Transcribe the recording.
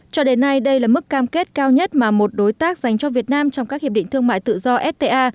cho đến nay đây là mức cam kết cao nhất mà một đối tác dành cho việt nam trong các hiệp định thương mại tự do fta